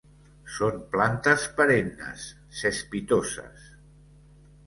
Són plantes perennes, cespitoses.